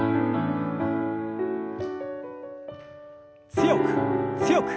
強く強く。